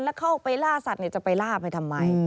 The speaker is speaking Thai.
แล้วเข้าไปล่าสัตว์จะไปล่าไปทำไม